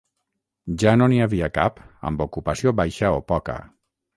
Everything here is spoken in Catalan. Ja no n’hi havia cap amb ocupació baixa o poca.